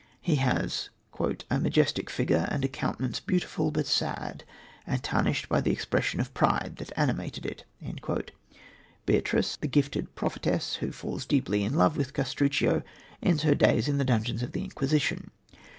He has "a majestic figure and a countenance beautiful but sad, and tarnished by the expression of pride that animated it." Beatrice, the gifted prophetess who falls deep in love with Castruccio, ends her days in the dungeons of the Inquisition.